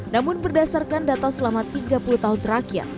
namun berdasarkan data selama tiga puluh tahun terakhir